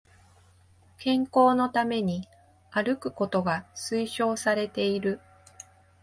健康のために歩くことが推奨されている